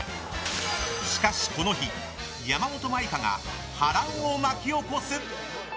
しかし、この日山本舞香が波乱を巻き起こす！